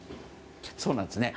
そうなんですね。